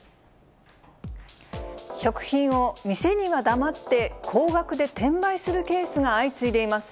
食品を店には黙って高額で転売するケースが相次いでいます。